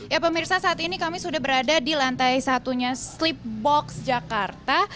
ya pemirsa saat ini kami sudah berada di lantai satunya sleep box jakarta